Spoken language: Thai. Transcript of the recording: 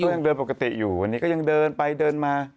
ยังเดินปกติอยู่วันนี้ก็ยังเดินไปเดินมา